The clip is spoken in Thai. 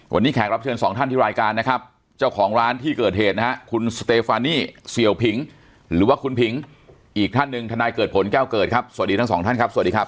วันนี้แขกรับเชิญสองท่านที่รายการนะครับเจ้าของร้านที่เกิดเหตุนะฮะคุณสเตฟานี่เสี่ยวผิงหรือว่าคุณผิงอีกท่านหนึ่งทนายเกิดผลแก้วเกิดครับสวัสดีทั้งสองท่านครับสวัสดีครับ